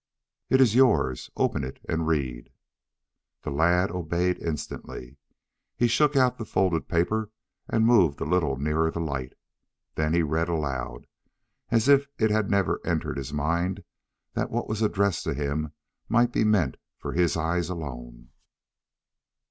"It is yours. Open it and read." The lad obeyed instantly. He shook out the folded paper and moved a little nearer the light. Then he read aloud, as if it had never entered his mind that what was addressed to him might be meant for his eyes alone.